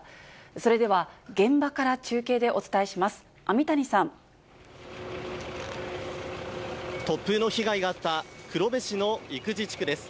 それでは現場から中継でお伝えします。